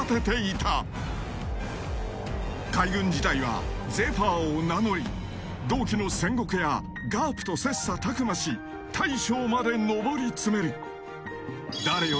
［海軍時代はゼファーを名乗り同期のセンゴクやガープと切磋琢磨し大将まで昇り詰める］